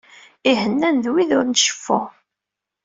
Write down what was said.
I ihennan d wid ur nceffu.